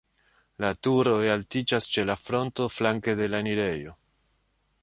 La turoj altiĝas ĉe la fronto flanke de la enirejo.